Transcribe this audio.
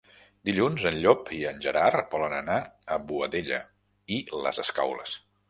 Dilluns en Llop i en Gerard volen anar a Boadella i les Escaules.